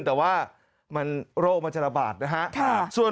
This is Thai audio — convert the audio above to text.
แต่ว่าโรคมันจะระบาดนะฮะ